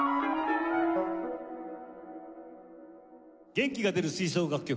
元気が出る吹奏楽曲